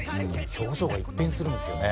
表情が一変するんですよね。